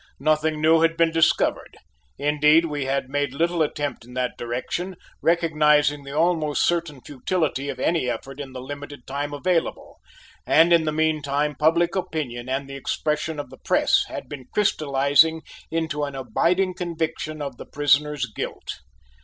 Nothing new had been discovered: indeed we had made little attempt in that direction, recognizing the almost certain futility of any effort in the limited time available, and in the meanwhile public opinion and the expression of the press had been crystallizing into an abiding conviction of the prisoner's guilt.